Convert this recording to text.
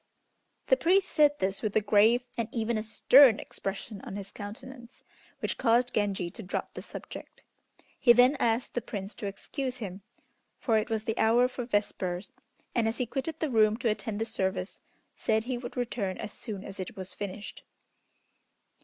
The priest said this with a grave and even a stern expression on his countenance, which caused Genji to drop the subject. He then asked the Prince to excuse him, for it was the hour for vespers, and as he quitted the room to attend the service, said he would return as soon as it was finished.